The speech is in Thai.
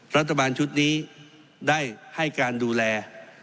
รัฐบาลชุดนี้ได้ให้การดูแล